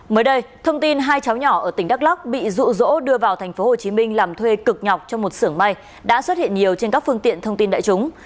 mới đây thông tin hai cháu nhỏ ở tỉnh đắk lắc bị rụ rỗ đưa vào tp hcm làm thuê cực nhọc trong một xưởng may đã xuất hiện nhiều trên các phương tiện thông tin đại chúng